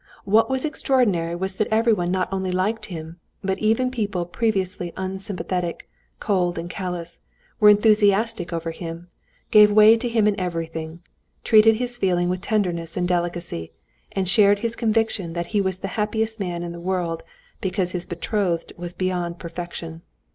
What was extraordinary was that everyone not only liked him, but even people previously unsympathetic, cold, and callous, were enthusiastic over him, gave way to him in everything, treated his feeling with tenderness and delicacy, and shared his conviction that he was the happiest man in the world because his betrothed was beyond perfection.